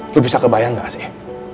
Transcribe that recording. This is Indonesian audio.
lo bisa kebayang gak sih